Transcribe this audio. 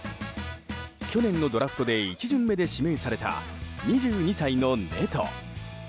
去年のドラフトで１巡目で指名された２２歳のネト。